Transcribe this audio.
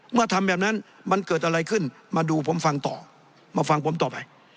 ทำแบบนั้นมันเกิดอะไรขึ้นมาดูผมฟังต่อมาฟังผมต่อไป